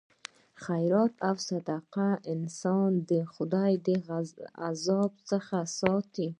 خیرات او صدقه انسان د خدای د عذاب څخه ساتي.